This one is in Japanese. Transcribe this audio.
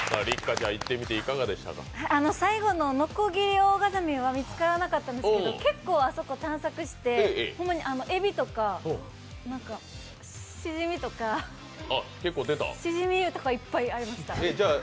最後のノコギリオオガザミは見つからなかったんですけど、結構あそこ探索してえびとかシジミとかいっぱいありました。